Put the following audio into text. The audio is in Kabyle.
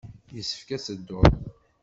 Yessefk ad tedduḍ.